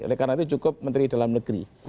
oleh karena itu cukup menteri dalam negeri